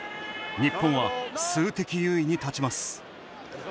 日本は数的優位に立ちます。